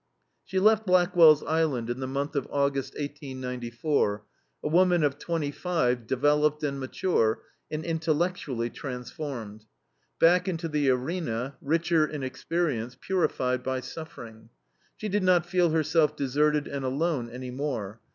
She left Blackwell's Island in the month of August, 1894, a woman of twenty five, developed and matured, and intellectually transformed. Back into the arena, richer in experience, purified by suffering. She did not feel herself deserted and alone any more.